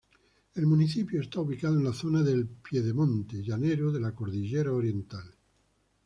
El municipio está ubicado en la zona del piedemonte llanero de la cordillera Oriental.